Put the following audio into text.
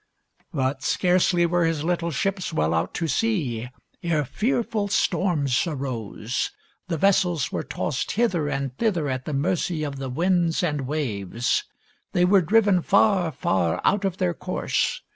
But scarcely were his little ships well out to sea ere fearful storms arose. The vessels were tossed hither and thither at the mercy of the winds and waves. They were driven far, far out of their course.